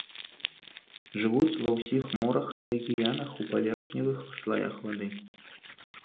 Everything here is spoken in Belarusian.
Жывуць ва ўсіх морах і акіянах у паверхневых слаях вады.